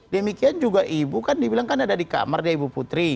demikian juga ibu kan dibilang kan ada di kamar dia ibu putri